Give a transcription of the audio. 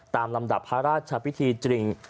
ลำดับพระราชพิธีจริง